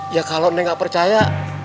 ya kalo nek gak percaya